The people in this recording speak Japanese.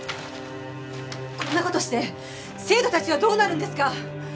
こんな事して生徒たちはどうなるんですか！